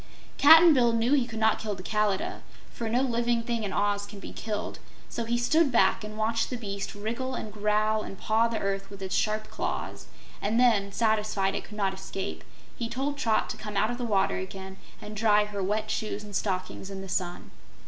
Cap'n Bill knew he could not kill the Kalidah, for no living thing in Oz can be killed, so he stood back and watched the beast wriggle and growl and paw the earth with its sharp claws, and then, satisfied it could not escape, he told Trot to come out of the water again and dry her wet shoes and stockings in the sun.